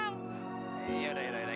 yaudah yaudah yaudah